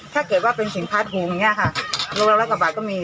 ถ้าเกิดว่าเป็นสินค้าถุงอย่างนี้ค่ะโลละร้อยกว่าบาทก็มี